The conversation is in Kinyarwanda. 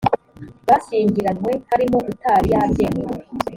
bashyingiranywe harimo utari yabyemeye